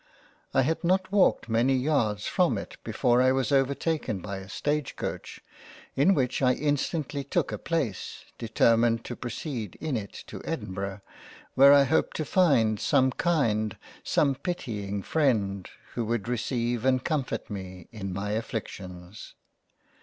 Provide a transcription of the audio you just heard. I had not walked many yards from it before I was overtaken by a stage coach, in which I instantly took a place, determined to proceed in it to Edinburgh, where I hoped to find some kind some pitying Freind who would receive and comfort me in my afflictions.